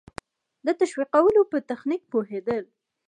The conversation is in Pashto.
د تشویقولو په تخنیک پوهېدل.